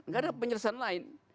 gak ada penjelasan lain